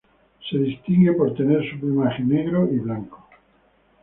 Se distingue por tener su plumaje negro y blanco.